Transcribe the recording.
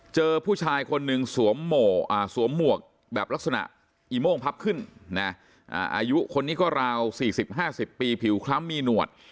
เจอผู้ชายคนหนึ่งสวมหมวกแบบลักษณะอีโม่งพับขึ้นนะอายุคนนี้ก็ราว๔๐๕๐ปีผิวคล้ำมีหนวด